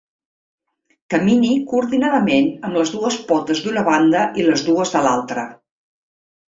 Camini coordinadament amb les dues potes d'una banda i les dues de l'altra.